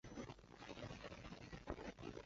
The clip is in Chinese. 为现任台湾女科技人学会副理事长。